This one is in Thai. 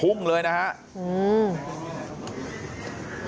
ลูกสาวหลายครั้งแล้วว่าไม่ได้คุยกับแจ๊บเลยลองฟังนะคะ